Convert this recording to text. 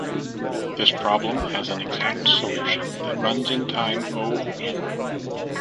This problem has an exact solution that runs in time O("n").